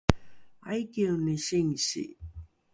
aikieni singsi?